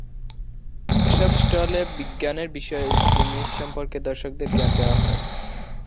এসব স্টলে বিজ্ঞানের বিস্ময় জিনিস সম্পর্কে দর্শকদের জ্ঞান দেয়া হয়।